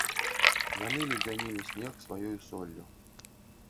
Яны ледзянілі снег сваёю соллю.